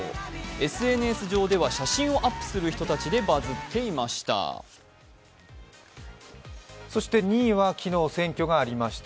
ＳＮＳ上では写真をアップする人たちでバズっていました。